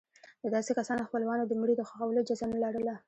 د داسې کسانو خپلوانو د مړي د ښخولو اجازه نه لرله.